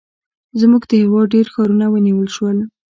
زموږ د هېواد ډېر ښارونه ونیول شول.